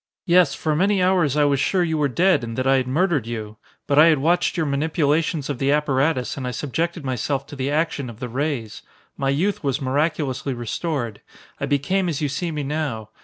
Yes, for many hours I was sure you were dead and that I had murdered you. But I had watched your manipulations of the apparatus and I subjected myself to the action of the rays. My youth was miraculously restored. I became as you see me now.